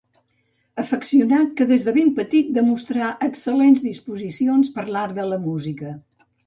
Afeccionat que des de ben petit demostrà excel·lents disposicions per l'art de la música.